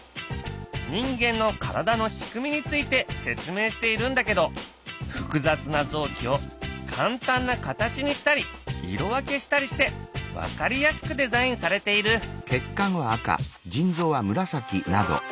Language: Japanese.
人間の体の仕組みについて説明しているんだけど複雑な臓器を簡単な形にしたり色分けしたりして分かりやすくデザインされている。